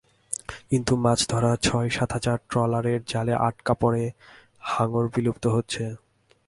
কিন্তু মাছ ধরার ছয়-সাত হাজার ট্রলারের জালে আটকা পড়ে হাঙর বিলুপ্ত হচ্ছে।